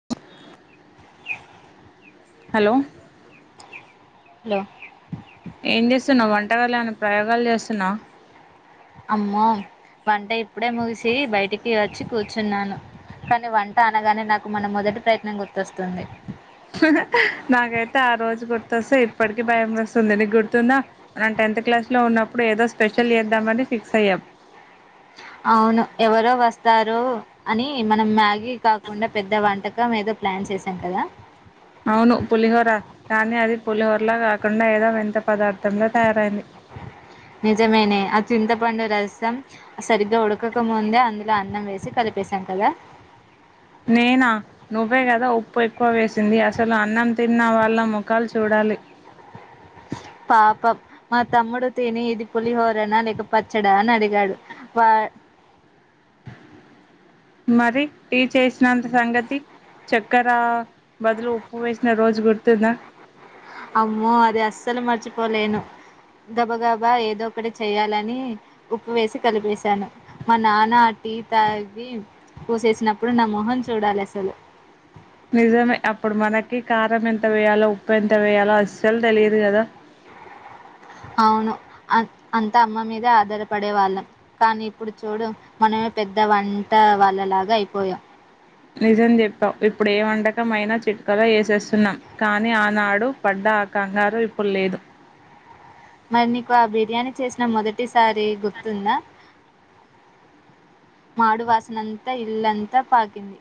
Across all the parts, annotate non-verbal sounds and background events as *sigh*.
*inaudible* hello hello ఏం చేస్తున్నావ్ వంటకాలెమన్న ప్రయోగాలు చేస్తున్నావు అమ్మో వంట ఇప్పుడే ముగిసి బయటికి వచ్చి కూర్చున్నాను కానీ వంట అనగానే నాకు మన మొదటి ప్రయత్నం గుర్తొస్తుంది హ్ హ్ నాకైతే ఆ రోజు గుర్తొస్తే ఇప్పటికి భయం వస్తుంది నీకు గుర్తుంద న టెన్త్ క్లాస్ లో ఉన్నప్పుడు ఏదో స్పెషల్ చేద్దామని ఫిక్స్ అయ్యాం అవును ఎవరో వస్తారు అని మనం మ్యాగి కాకుండా పెద్ద వంటకం మీదో ప్లాన్ చేశాం కదా అవును పులిహోర కానీ అది పులిహోరలా కాకుండా ఏదో వింత పదార్థంల తయారైంది నిజమేనే ఆ చింతపండు రసం సరిగ్గా ఉడకకముందే అందులో అన్నం వేసి కలిపేశాం కదా నేనా నువ్వే కదా ఉప్పు ఎక్కువ వేసు సిధీ *unintelligible* అసలు అన్నం తిన్న వాళ్ళ ముఖాలు చూడాలి పాపం మా తమ్ముడు తిని ఇది పులిహోరనా లేక పచ్చడా అని అడిగాడు వా మరి టీ చేసి ష్ణాంత *unintelligible* సంగతి చె ఎక్కరా బదులు ఉప్పు వేసిన రోజు గుర్తుందా అమ్మో అది అస్సలు మర్చిపోలేను గబగబ ఏదో ఒకటి చెయ్యాలని ఉప్పు వేసి కలిపేసాను మా నాన్న అ టీ తాగి ఊసేసినప్పుడు నా మొహం చూడాలి అసలు నిజమే అప్పుడు మనకి కారం ఎంత వేయాలో ఉప్పు ఎంత వేయాలో అసలు తెలియదు కదా అవును అ అంతా అమ్మ మీదే ఆధారపడే వాళ్ళం కానీ ఇప్పుడు చూడు మనమే పెద్ద వంట వాళ్ళలాగా అయిపోయాం నిజం చెప్పావు ఇప్పుడు ఏ వంటకంమైనా చిటికెలో చేసేస్తున్నాం కానీ ఆనాడు పడ్డ ఆ కంగారు ఇప్పుడు లేదు మరి నీకు ఆ బిర్యానీ చేసిన మొదటి సారి గుర్తుందా మాడు వాసనంతా ఇల్లంతా పాకింది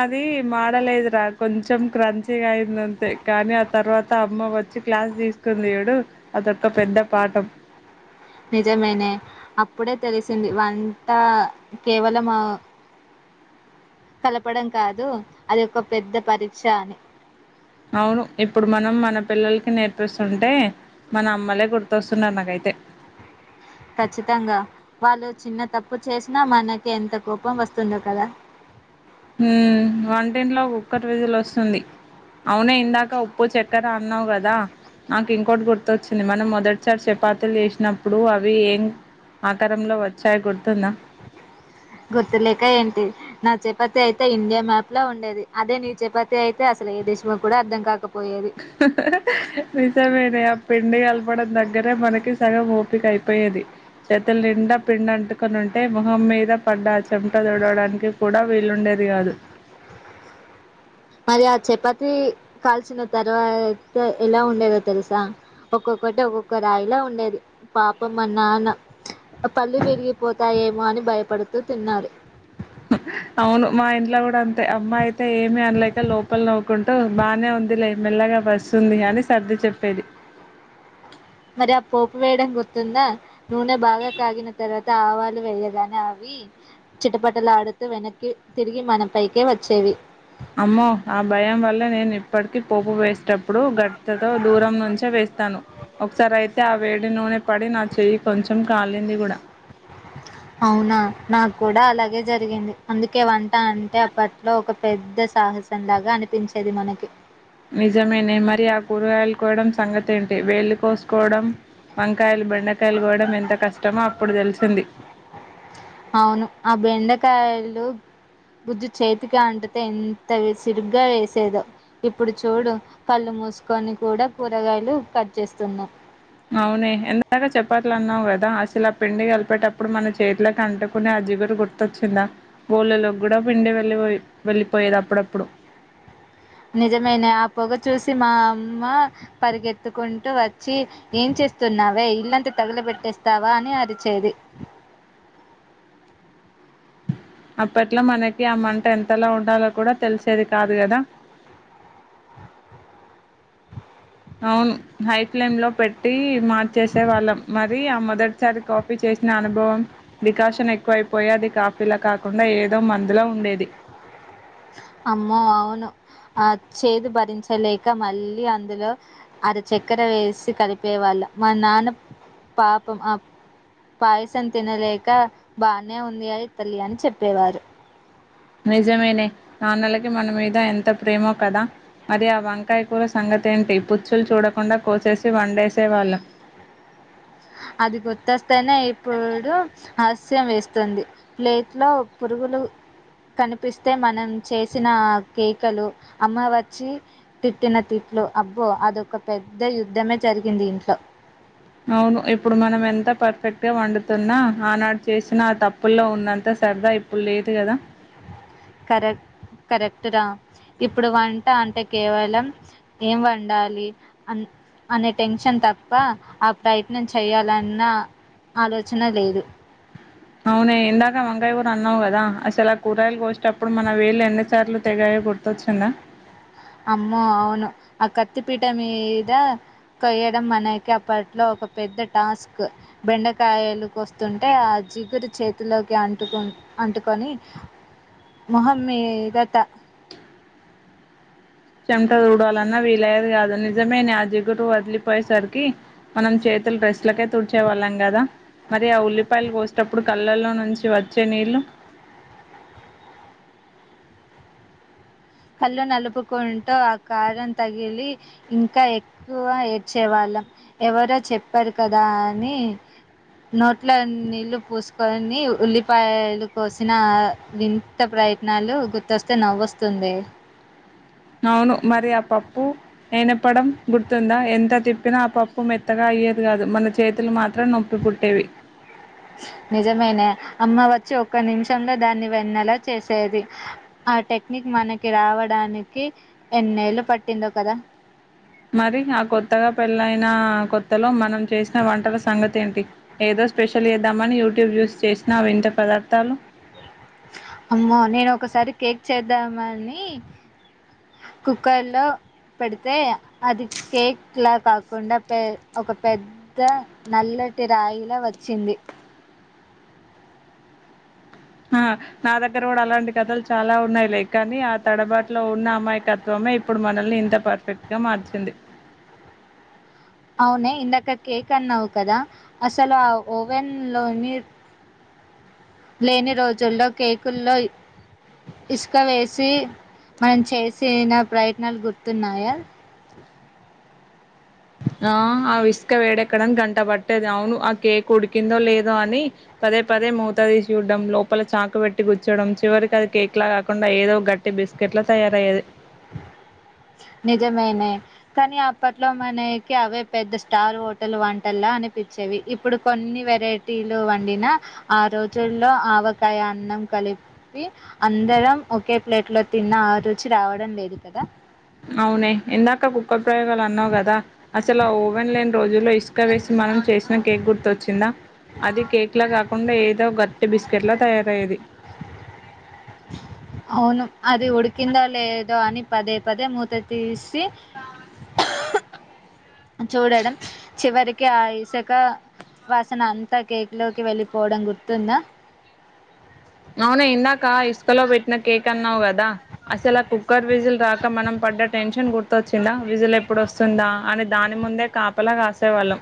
అది మాడలేదురా కొంచెం క్రంచిీగా అయింది అంతే కానీ ఆ తర్వాత అమ్మ వచ్చి క్లాస్ తీసుకుంది చూడు అదొక పెద్ద పాఠం ఇప్పుడే తెలిసింది వంట కేవలం కలపడం కాదు అది ఒక పెద్ద పరీక్ష అని అవును ఇప్పుడు మనం మన పిల్లలకి నేర్పిస్తుంటే మన అమ్మలే గుర్తొస్తున్నారు నాకైతే ఖచ్చితంగా వాళ్ళు చిన్న తప్పు చేసినా మనకి ఎంత కోపం వస్తుందొ కదా ఉ వంటింట్లో కుక్కర్ విజిల్ వస్తుంది అవునే ఇందాక ఉప్పు చక్కెర అన్నావు కదా నాకు ఇంకోటి గుర్తొచ్చింది మనం మొదటిసారి చపాతీలు చేసినప్పుడు అవి ఏం ఆకారంలో వచ్చాయి గుర్తుందా గుర్తులేక ఏంటి నా చపాతి అయితే ఇండియా మ్యాప్ ల ఉండేది అదే నీ చపాతి అయితే అసలు ఏ దేశమో కూడా అర్థం కాకపో *unintelligible* వసా వెరే పిండి కలపడం దగ్గరే మనకి సగం ఓపిక అయిపోయేది చేతులు నిండా పిండి అంటుకొని ఉంటే మొహం మీద పడ్డాచ్చు చెమట తడవడానికి కూడా వీలుండేది కాదు మరి ఆ చపాతి కాల్చిన తర్వాత ఎలా ఉండేదో తెలుసా ఒక్కొక్కటి ఒక్కొక్క రాయిలా ఉండేది పాపం మా నాన్న పళ్లు విరిగిపోతాయేమో అని భయపడుతూ తిన్నారు అవును మా ఇంట్లో కూడా అంతే అమ్మాయి అయితే ఏమి అనలేక లోపల నవ్వుకుంటూ బానే ఉంది లే మెల్లగా వస్తుంది అని సర్ది చెప్పేది మరి ఆ పోపు వేయడం గుర్తుందా నూనె బాగా కాగిన తర్వాత ఆవాలు వేయగానే అవి చిటపటలాడుతూ వెనక్కి తిరిగి మన పైకే వచ్చేవి ఇప్పటికి పోప్పు వేసేటప్పుడు గ తో దూరం నుంచే వేస్తాను ఒకసారి అయితే ఆ వేడి నూనె పడి నా చెయ్యి కొంచెం కాలింది కూడా అవునా నాకు కూడా అలాగే జరిగింది అందుకే వ అంటే అప్పట్లో ఒక పెద్ద యుద్ద సాహసం లాగా అనిపించేది మనకి నిజమేనే మరి ఆ కూరుగాలుకోవడం సంగతి తెంటి వేళ్ళు కోసుకోవడం వంకాయలు బెండకాయలు కోయడం ఎంత కష్టమో అప్పుడు తెలిసింది అవును ఆ బెండకాయలు బుజ్జు చేతికి అంటుతే ఎంత సిరుగ్గా వేసేదో ఇప్పుడు చూడు కళ్ళు మూసుకొని కూడా కూరగాయలు కట్ చేస్తున్నా అవునే ఎంతాక చెప్పట్ల అన్నావు కదా అసలు ఆ పిండి కలిపేటప్పుడు మన చేతిలకి అంటుకుని ఆ జిగురు గుర్తొచ్చిందా గోళ్ళలోకి కూడా పిండి వెళ్ళపోయి వెళ్ళిపోయేది అప్పుడప్పుడు నిజమైనే ఆ పొగ చూసి మా అమ్మ పరిగెత్తుకుంటూ వచ్చి ఏం చేస్తున్నావే ఇల్లంతా తగుల పెెట్టేస్తావా అని అరిచేది అప్పట్లో మనకి ఆ మంట ఎంతలా ఉండాలో కూడా తెలిసేది కాదు కదా అవును హై ఫ్లేమ్ లో పెట్టి మార్చేసే వాళ్ళం మరి ఆ మొదటిసారి కాఫీ చేసిన అనుభవం ప్రికాషన్ ఎక్కువైపోయి అది కాఫీలా కాకుండా ఏదో మందులో ఉండేది అమ్మో అవును ఆ చేదు భరించలేక మళ్ళీ అందులో అరచక్కెర వేసి కలిపేవాళ్ళ మా నాన్న పాపం పాయసం తినలేక బానే ఉంది అనీ తల్లి అని చెప్పేవారు నిజమేనే నాన్నలకి మన మీద ఎంత ప్రేమో కదా మరి ఆ వంకాయ కూర సంగతి ఏంటి పుచ్చులు చూడకుండా కోసేసి వండేసేవాళ్ళం అది గుర్తొస్తేనే ఇప్పుడు హలస్యం వేస్తుంది ప్లేట్లో పురుగులు కనిపిస్తే మనం చేసిన కేకలు అమ్మ వచ్చి తిట్టిన తిట్లు అబ్బో అదక పెద్ద యుద్ధమే జరిగింది ఇంట్లో అవును ఇప్పుడు మనం ఎంత పర్ఫెక్ట్ గా వండుతున్నా ఆనాడు చేసినా ఆ తప్పుల్లో ఉన్నంత సరదా ఇప్పుడు లేదు కదా కరెక్ట్ కరెక్ట్ రా ఇప్పుడు వంట అంటే కేవలం ఏం వండాలి అ అనే టెన్షన్ తప్ప ఆ ప్రయత్నం చేయాలన్న ఆలోచన లేదు అవున ఇందాక వంకాయ ూర అన్నావు కదా అసలా కూరయలు కోసేటప్పుడు మన వేళ్ళు ఎండుసార్లు తెగాయ గుర్తొచ్చిందా అమ్మో అవును ఆ కత్తిపీట మీద కొయడం మనకి అప్పట్లో ఒక పెద్ద టాస్క్ బెండకాయలు కొస్తుంటే ఆ జిగురు చేతిలోకి అంటుకు అంటుకొని మొహం మీదట చెంట తుడువాలన్నా వీలయ్యేది కాదు నిజమేనే ఆ జిగురు వదిలిపోయేసరికి మనం చేతులు డ్రెస్లకే తుడిచే వాళ్ళం కదా మరి ఆ ఉల్లిపాయలు కోసేటప్పుడు కళ్ళల్లో నుంచి వచ్చే నీళ్ళు హళ్ళ నలుపుకుంటూ ఆ కారం తగిలి ఇంకా ఎక్కువ ఏడ్చేవాళ్ళం ఎవరో చెప్పారు కదా అని నోట్లో నీళ్లు పూసుకొని ఉల్లిపాయలు కోసిన వింత ప్రయత్నాలు గుర్తొస్తే నవ్్వవుస్తుంది అవును మరి ఆ పప్పు నునపడం గుర్తుందా ఎంత తిప్పినా ఆ పప్పు మెత్తగా అయ్యేది కాదు మన చేతులు మాత్రం నొప్పి పుట్టేవి నిజమైనే అమ్మా వ ఒకక్క నిమిషంలో దాన్ని వెన్నెలా చేసేది ఆ టెక్నిక్ మనకి రావడానికి ఎన్నేళ్ళలు పట్టిందో కదా మరి ఆ కొత్తగా పెళ్ళయిైన కొత్తలో మనం చేసిన వంటల సంగతి ఏంటి ఏదో స్పెషల్ చేద్దామని యూట్యూబ్ చూస్త చేసినావి వింత పదార్ దాలు అమ్మో నేను ఒకసారి కేక్ చేద్దామని కుక్కర్ లో పెడితే అది కేక్ లా కాకుండా పె ఒక పెద్ద నల్లటి రాయిలా వచ్చింది ఆ నా దగ్గర కూడా అలాంటి కథలు చాలా ఉన్నాయి లై కాని ఆ తడబాటు లో ఉన్న అమ్మాయికత్వమే ఇప్పుడు మనల్ని ఇంత పర్ఫెక్ట్ గా మార్చ సింది అవునే ఇందాక కేక్ అన్నావు కదా అసలు ఆ ఓవెన్లోని లేని రోజుల్లో కేకుల్లో ఇసుక వేసి మనం చేసిన ప్రయత్నాలు గుర్తున్నాయా ఆ ఆ విసుక వేడెక్కడానికి గంట పట్టేది అవును ఆ కేక్ ఉడికిందో లేదో అని పదే పదే మూత తీసి చూడ్డం లోపల చాక పెట్టి గుచ్చోడం చివరికి అది కేక్ లా కాకుండా ఏదో గట్టి బిస్కెట్లా తయారయ్యేది నిజమేనే కానీ అప్పట్లో మనకి అవే పెద్ద స్టార్ హోటల్ వంటలా అనిపించేవి ఇప్పుడు కొన్ని వెరైటీలు వండిన ఆ రోజుల్లో ఆవకాయ అన్నం కలిపి అందరం ఒకే ప్లేట్ లో తిన్న ఆ రుచి రావడం లేదు కదా అవునే ఇందాక ప్రయోగాలు అన్నావు కదా అసలు ఆ ఓవెన్ లేని రోజుల్లో స్కా వేసి మనం చేసిన కేక్ గుర్తుొచ్చిందా అది కేక్ లో కాకుండా ఏదో గట్టి బిస్కెట్ లో తయారయ్యేది అవును అది ఉడికిందా లేదో అని పదే పదే మూత తీస్ సి చూడడం చివరికి క ఇసుక వాసన అంతా కేక్లోకి వెళ్ళిపోవడం గుర్తుందా అవునా ఇందాక ఇసుకలో పెట్టిన కేక్ అన్నావు కదా అసలా కుక్కర్ విజిల్ రాక మనం పడ్డ టెన్షన్ గుర్తొచ్చిందా విజిల్ ఎప్పుడు వస్తుందా అని దాని ముందే కాపలా కాసేవాళ్ళం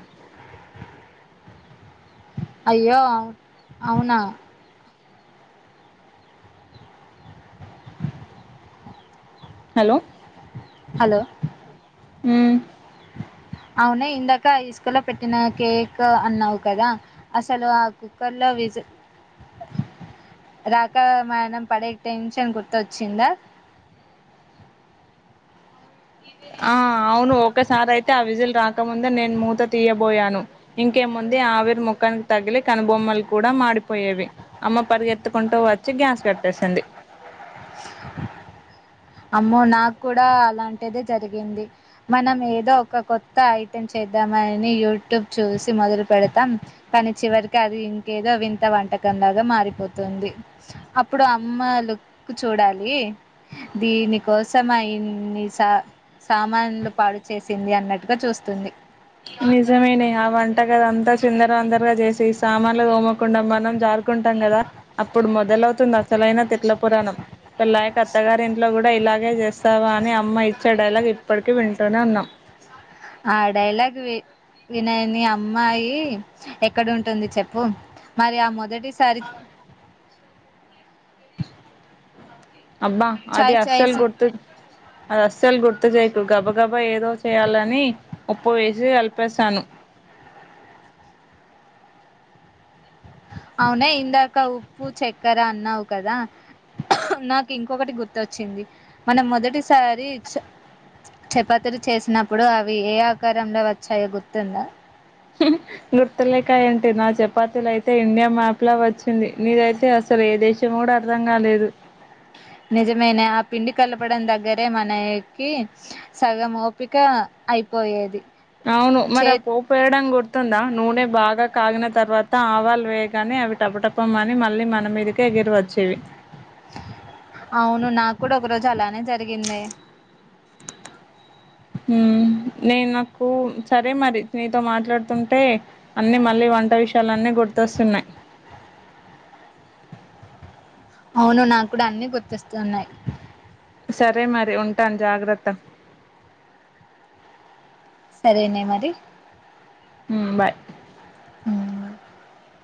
అయ్యో అవును అవునా హలో హలో ఉం అవునే ఇందాక ఇసుకల్లో పెట్టిన కేక్ అన్నావు కదా అసలు ఆ కుక్కర్లో విజ రాక మణం పడే టెన్షన్ గుర్తొచ్చిందా ఆ అవును ఒక సార్ అయితే అ విజల్ రాకముందే నేను మూత తీయబోయాను ఇంకే ముందు ఆవిరి ముఖానికి తగిలి కనుబొమ్మలు కూడా మాడిపోయేవి అమ్మ పరిగెత్తుకుంటూ వచ్చి గ్యాస్ కట్టేసింది అమ్మో నాకు కూడా అలాంటిదే జరిగింది మనం ఏదో ఒక కొత్త ఐటెం చేద్దామని యూట్యూబ్ చూసి మొదలు పెడతాం కానీ చివరికి అది ఇంకేదో వింత వంటకంలాగా మారిపోతుంది అప్పుడు అమ్మ లుక్ చూడాలి దీని కోసం అన్ని సా సామాన్లు పాడు చేేసింది అన్నట్టుగా చూస్తుంది నిజమేనే ఆ వంట గది అంతా చిందర వందరగా చేసి సామాన్లు దోమకుండా మనం జార్ టాం కదా అప్పుడు మొదలవుతుంది అసలైన తిట్ల పురాణం పెల్లాయ క అత్తగారి ఇంట్లో కూడా ఇలాగే చేస్తావా అని అమ్మ ఇచ్చే డైలాగ్ ఇప్పటిక వింట టూనే ఉన్నం ఆ డైలాగ్ వి వినయంది అమ్మాయి ఎక్కడ ఉంటుంది చెప్పు మరి ఆ మొదటి సారి *inaudible* అబ్బా అది చాయ్ చాయ్ అస్సలు సి గుర్తు అది అస్సలు గుర్త్ గు చేయకు గబ గబ ఏదో చేయాలని ఉప్పు వేసి కలిపేశాను అవున ఇందాక ఉప్పు చక్కెర అన్నావు కదా నాకు ఇంకొకటి గుర్తోచ్చింది మనం మొదటిసారి చ చపాతలు చేసినప్పుడు అవి ఏ ఆకారంలో వచ్చాయో గుర్తుందా గుర్తులేకా ఏంటి నా చపాతీలు అయితే ఇండియా మ్యాప్ లా వచ్చింది నీదైతే అసలు ఏ దేశం కూడా అర్ధం కాలేదు నిజమైన ఆ పిండి కలపడం దగ్గరే మనకి సగం ఓపిక అయిపోయేది అవును మరి చే ఆ పోపు వేయడా గుర్తుందా నూనె బాగా కాగిన తర్వాత ఆవాలు వేయగానే అవి టపటపమని మళ్ళీ మన మీదకి ఎగిరి వచ్చేవి అవును నాకు కూడా ఒక రోజు అలా అనే జరిగింది నే నాకు సరే మరి నీతో మాట్లాడుతుంటే అన్ని మళ్ళీ వంట విషయలున్ని గుర్తొస్తున్నాయి అవును నాకు కూడా అన్ని గుర్తస్తు ఉన్నాయి సరే మరి ఉంటాను జాగ్రత్త సరేనే మరి బాయ్ ఉం